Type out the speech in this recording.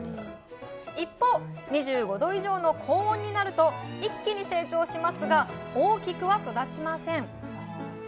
一方２５℃以上の高温になると一気に成長しますが大きくは育ちません。